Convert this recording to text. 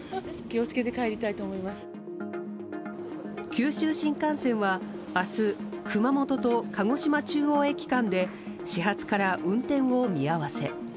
九州新幹線は明日熊本と鹿児島中央駅間で始発から運転を見合わせ。